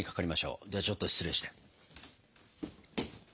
ではちょっと失礼して。